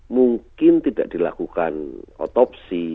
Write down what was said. mungkin tidak dilakukan otopsi